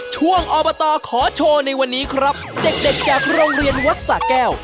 ช่วงอบตขอโชว์ในวันนี้ครับเด็กจากโรงเรียนวัดสะแก้ว